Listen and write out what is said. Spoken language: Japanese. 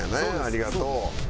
ありがとう。